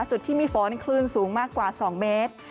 จุดที่มีฝนคลื่นสูงมากกว่า๒เมตร